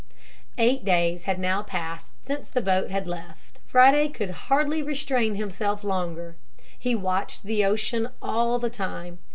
Eight days had now passed since the boat had left. Friday could hardly restrain himself longer. He watched the ocean all the time.